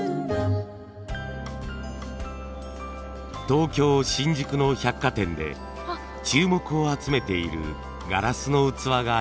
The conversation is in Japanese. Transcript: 東京新宿の百貨店で注目を集めているガラスの器があります。